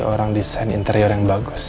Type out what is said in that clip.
orang desain interior yang bagus